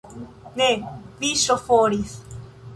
Ne vi ŝoforis!